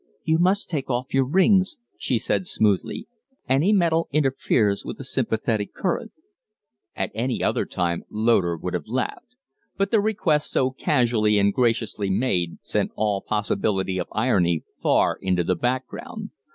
"You must take off your rings," she said smoothly. "Any metal interferes with the sympathetic current." At any other time Loder would have laughed; but the request so casually and graciously made sent all possibility of irony far into the background.